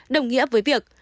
đồng nghĩa với việc